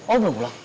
oh belum pulang